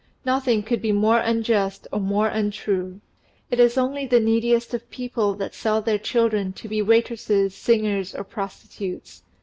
Nothing could be more unjust or more untrue. It is only the neediest people that sell their children to be waitresses, singers, or prostitutes.